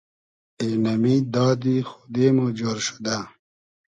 اېنئمی دادی خودې مو جۉر شودۂ